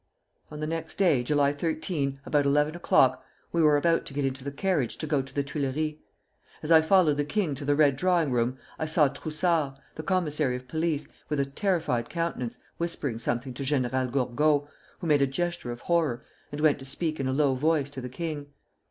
"On the next day, July 13, about eleven o'clock, we were about to get into the carriage to go to the Tuileries. As I followed the king to the red drawing room, I saw Troussart, the commissary of police, with a terrified countenance whispering something to General Gourgaud, who made a gesture of horror, and went to speak in a low voice to the king.